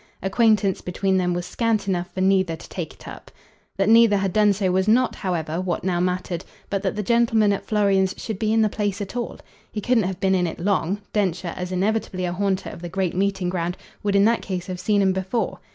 Acquaintance between them was scant enough for neither to take it up. That neither had done so was not, however, what now mattered, but that the gentleman at Florian's should be in the place at all. He couldn't have been in it long; Densher, as inevitably a haunter of the great meeting ground, would in that case have seen him before.